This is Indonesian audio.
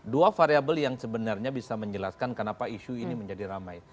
dua variable yang sebenarnya bisa menjelaskan kenapa isu ini menjadi ramai